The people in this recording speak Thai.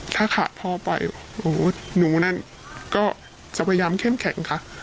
ถ้าขาพ่อไปหนูนั่นก็จะพยายามเข้มแข็งค่ะ